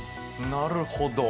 なるほど。